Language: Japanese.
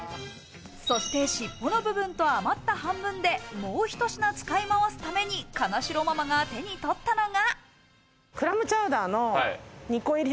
そして尻尾の部分と余った半分で、もう１品、使い回すために金城ママが手に取ったのが。